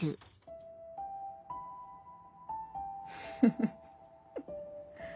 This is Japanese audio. フフフ。